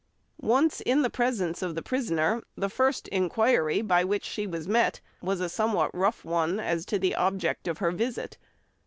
Once in the presence of the prisoner, the first inquiry by which she was met was a somewhat rough one as to the object of her visit.